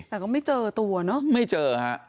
แต่ก็ไม่เจอตัวเนอะไม่เจอฮะ